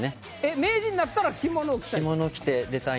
名人になったら着物を着たい？